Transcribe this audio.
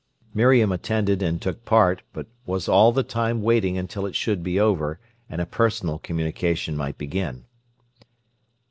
Miriam attended and took part, but was all the time waiting until it should be over and a personal communication might begin.